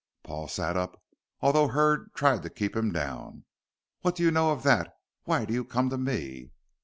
Paul sat up, although Hurd tried to keep him down. "What do you know of that? why do you come to me?"